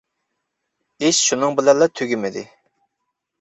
ئىش شۇنىڭ بىلەنلا تۈگىمىدى.